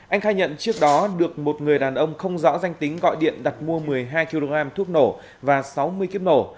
anh khai nhận trước đó được một người đàn ông không rõ danh tính gọi điện đặt mua một mươi hai kg thuốc nổ và sáu mươi kiếp nổ